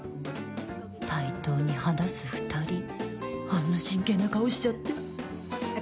対等に話す２人、あんな真剣な顔しちゃって。